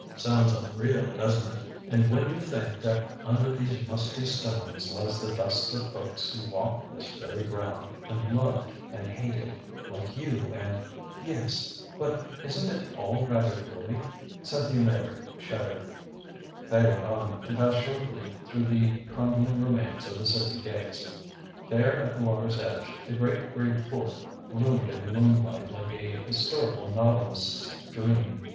Sounds unreal, doesn't it? And when you think that under these musty stones lies the dust of folks who walked this very ground, and loved, and hated, like you and " "Yes but isn't it all rather gloomy?" Cynthia Meyrick shuddered. They went on, to pass shortly through the crumbling remains of the city gates. There at the water's edge the great gray fort loomed in the moonlight like a historical novelist's dream.